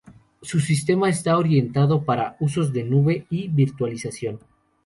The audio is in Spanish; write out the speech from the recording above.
Su sistema está orientado para usos de nube y virtualización.